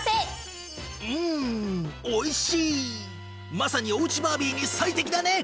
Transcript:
まさにおうちバービーに最適だね！